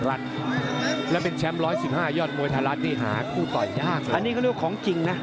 อ้าวติดตามโยคที่สอง